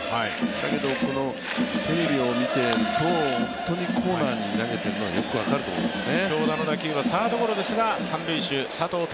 だけど、テレビを見ていると本当にコーナーに投げているのがよく分かると思いますね。